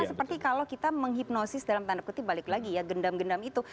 seperti kalau kita menghipnosis dalam tanda kutip balik lagi ya gendam gendam itu